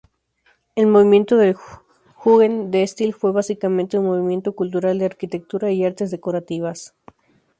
El movimiento del Jugendstil fue básicamente un movimiento cultural de arquitectura y artes decorativas.